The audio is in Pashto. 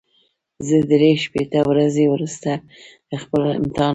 زه درې شپېته ورځې وروسته خپل امتحان لرم.